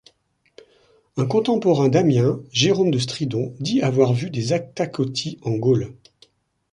Un contemporain d'Ammien, Jérôme de Stridon, dit avoir vu des Attacotti en Gaule.